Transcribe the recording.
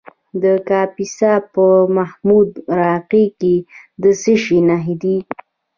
د کاپیسا په محمود راقي کې د څه شي نښې دي؟